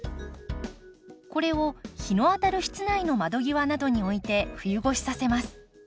これを日の当たる室内の窓際などに置いて冬越しさせます。